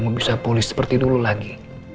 bisa pulih seperti dulu lagi